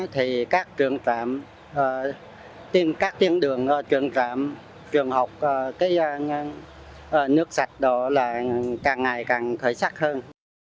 thì các trường trạm trên các tuyến đường trường trạm trường học cái nước sạch đó là càng ngày càng khởi sắc hơn